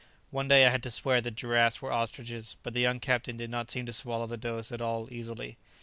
One day I had to swear that giraffes were ostriches, but the young captain did not seem to swallow the dose at all easily.